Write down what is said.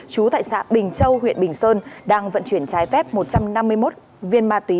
chú tại xã bình châu huyện bình sơn đang vận chuyển trái phép một trăm năm mươi một viên ma túy